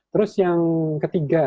terus yang ketiga